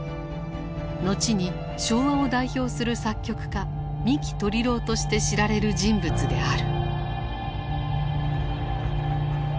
後に昭和を代表する作曲家三木鶏郎として知られる人物である。